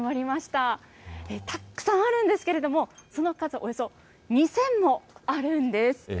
たくさんあるんですけれども、その数、およそ２０００もあるんです。